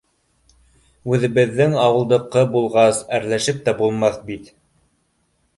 — Үҙебеҙҙең ауылдыҡы булғас, әрләшеп тә булмаҫ бит